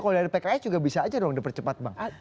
kalau dari pks juga bisa aja dong dipercepat bang